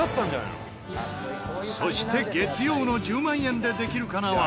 そして月曜の『１０万円でできるかな』は。